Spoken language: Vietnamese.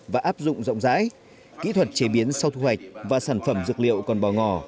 và áp dụng rộng rãi kỹ thuật chế biến sau thu hoạch và sản phẩm dược liệu còn bò ngỏ